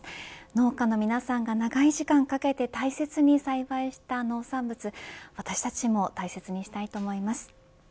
農家の皆さんが長い時間かけて、大切に栽培した農産物私たちも大切にしたいと思います。